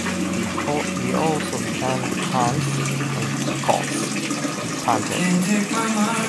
He also returned punts and kickoffs, and punted.